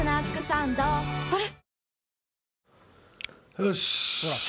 よし。